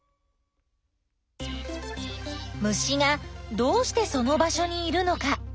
虫がどうしてその場所にいるのか？